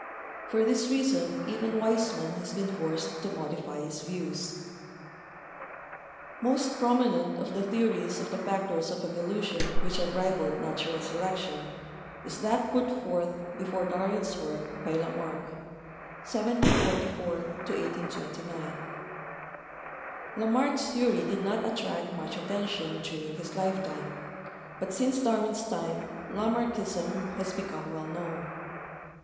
For this reason even Weismann has been forced to modify his views. Most prominent of the theories of the factors of evolu tion which have rivaled natural selection is that put forth, before Darwin's work, by Lamarck (i 744 1 829). La marck's theory did not attract much attention during his lifetime, but since Darwin's time Lamarckism has become well known.